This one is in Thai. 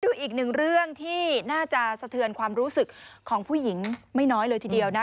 ดูอีกหนึ่งเรื่องที่น่าจะสะเทือนความรู้สึกของผู้หญิงไม่น้อยเลยทีเดียวนะ